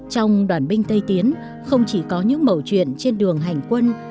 trong đoàn binh tây tiến không chỉ có những mẫu chuyện trên đường hành quân